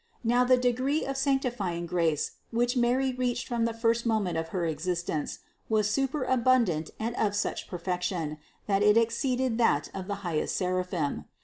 Now the degree of sanctifying grace, which Mary reached from the first moment of her existence, was superabundant and of such perfection, that it exceeded that of the highest seraphim.